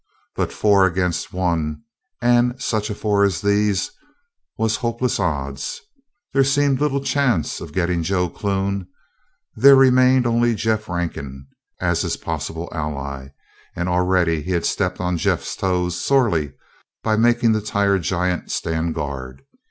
But four against one and such a four as these was hopeless odds. There seemed little chance of getting Joe Clune. There remained only Jeff Rankin as his possibly ally, and already he had stepped on Jeff's toes sorely, by making the tired giant stand guard.